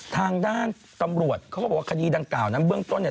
ทางด้านตำรวจเขาก็บอกว่าคดีดังกล่าวนั้นเบื้องต้นเนี่ย